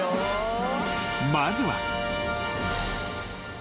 ［まずは］